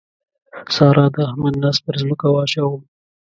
سارا د احمد ناز پر ځمکه واچاوو.